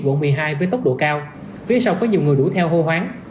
quận một mươi hai với tốc độ cao phía sau có nhiều người đuổi theo hô hoáng